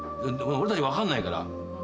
俺たち分かんないから。